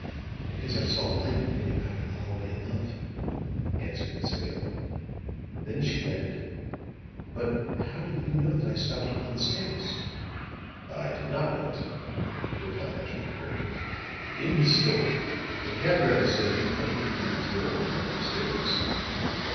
"Because I saw a light moving about in the hallway above," answered Miss Vale. Then she added: "But how did you know that I stopped upon the stairs?" "I did not know it," replied Ashton Kirk. "In his story the cab driver says you entered at Hume's door and went upstairs.